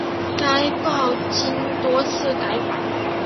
该报经多次改版。